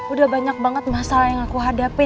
udah banyak banget masalah yang aku hadapi